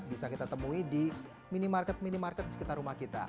bisa kita temui di minimarket minimarket sekitar rumah kita